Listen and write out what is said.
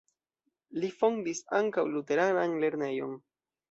Li fondis ankaŭ luteranan lernejon.